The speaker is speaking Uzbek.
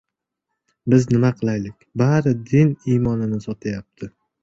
Biz nima qilaylik, bari din-imonini sotayapti.